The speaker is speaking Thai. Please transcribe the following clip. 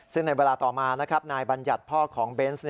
ซึ่งในเวลาต่อมานะครับนายบัญญัติพ่อของเบนส์